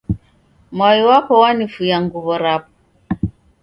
Miwa wapo w'anifuya nguw'o rapo